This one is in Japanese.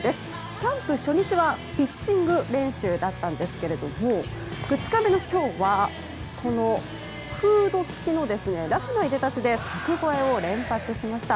キャンプ初日はピッチング練習だったんですが２日目の今日はこのフード付きのラフないでたちで柵越えを連発しました。